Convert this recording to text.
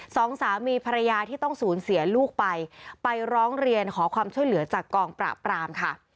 สองสามีภรรยาที่ต้องสูญเสียลูกไปไปร้องเรียนขอความช่วยเหลือจากกองปราบปรามค่ะ